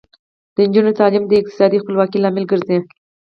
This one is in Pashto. د نجونو تعلیم د اقتصادي خپلواکۍ لامل ګرځي.